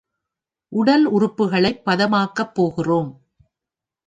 உடல் உறுப்புக்களைப் பதமாக்கப் போகிறோம்.